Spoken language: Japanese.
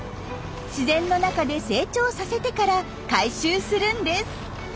自然の中で成長させてから回収するんです。